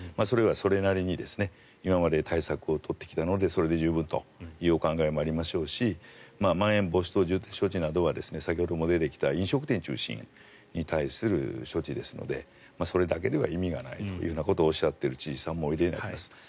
それはそれなりに今まで対策を取ってきたのでそれで十分というお考えもあるでしょうしまん延防止等重点措置などは先ほども出てきた飲食店中心に対する処置ですのでそれだけでは意味がないということをおっしゃっている知事さんもおいでになります。